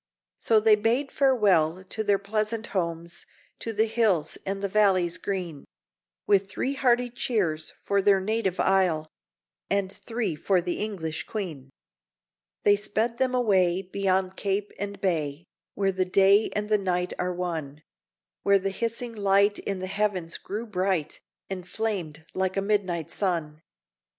So they bade farewell to their pleasant homes, To the hills and the valleys green, With three hearty cheers for their native isle, And three for the English Queen. They sped them away, beyond cape and bay, Where the day and the night are one Where the hissing light in the heavens grew bright, And flamed like a midnight sun.